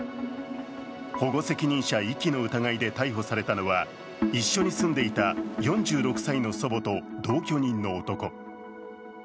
保護責任者遺棄の疑いで逮捕されたのは一緒に住んでいた４６歳の祖母と同居人の男。